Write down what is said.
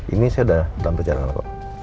ini saya udah dalam perjalanan kok